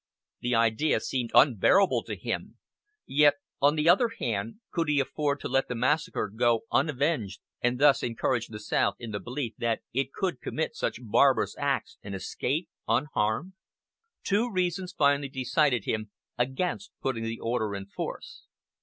The idea seemed unbearable to him, yet, on the other hand, could he afford to let the massacre go unavenged and thus encourage the South in the belief that it could commit such barbarous acts and escape unharmed? Two reasons finally decided him against putting the order in force.